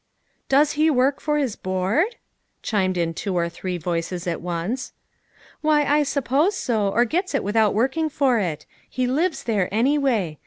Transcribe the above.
" Does he work for his board ?" chimed in two or three voices at once. " Why, I suppose so, or gets it without work ing for it. He lives there, anyway.